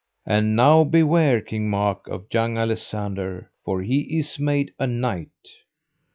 And now beware King Mark of young Alisander, for he is made a knight.